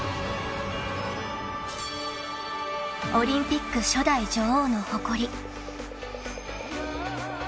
［オリンピック初代女王の誇り］